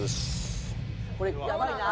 これやばいな。